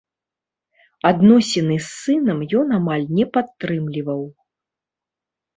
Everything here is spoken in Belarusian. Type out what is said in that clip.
Адносіны з сынам ён амаль не падтрымліваў.